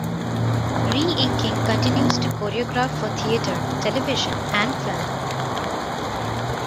Reinking continues to choreograph for theatre, television, and film.